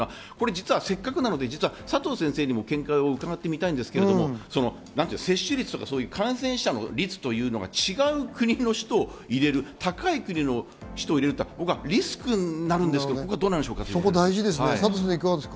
せっかくなので佐藤先生にも見解を伺いたいんですが、接種率とか感染者の率というのが違う国の人を入れる、高い国の人を入れるというのはリスクになると思うんですけど、どうですか？